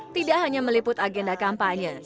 tidak hanya meliput agenda kampanye